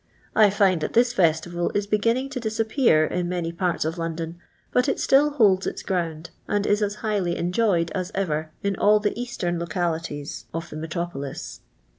I find that this festival is beginning to disappear in many paru of London, but it still holds its grosind, and is as highly enjoyed as ever, in all the eastern localities of the metropolis.